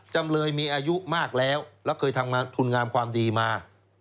จำเลยมีอายุมากแล้วแล้วเคยทำทุนงามความดีมา